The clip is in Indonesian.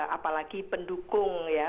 apalagi pendukung ya